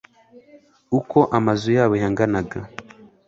uko amazu yabo yanganaga